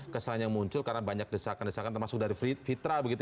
kesannya muncul karena banyak desakan desakan termasuk dari fitra begitu ya